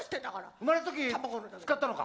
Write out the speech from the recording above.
生まれる時使ったのか？